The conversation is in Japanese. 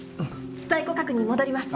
在庫確認戻ります。